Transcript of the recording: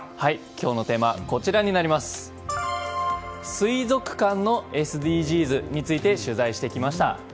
今日のテーマは水族館のＳＤＧｓについて取材してきました。